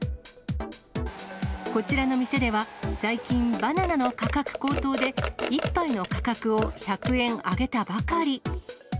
こちらの店では、最近、バナナの価格高騰で１杯の価格を１００円上げたばかり。